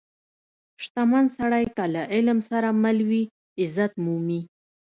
• شتمن سړی که له علم سره مل وي، عزت مومي.